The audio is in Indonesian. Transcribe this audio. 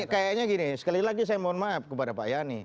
kayaknya gini sekali lagi saya mohon maaf kepada pak yani